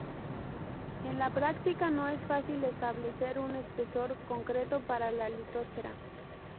En la práctica no es fácil establecer un espesor concreto para la litosfera.